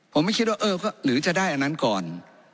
ผมไม่คิดว่าเออหรือจะได้อันนั้นก่อน